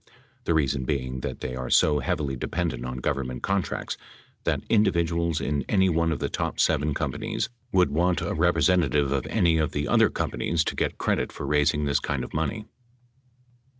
The reason being that they are so heavily dependent on Government contracts that in dividuals in any one of the top seven companies would not want a representatives of any of the other companies to get credit for raising this kind of money.